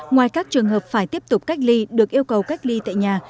ngoài các trường hợp phải tiếp tục cách ly được yêu cầu cách ly tại nhà